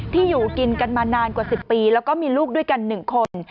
อยู่กินกันมานานกว่า๑๐ปีแล้วก็มีลูกด้วยกัน๑คน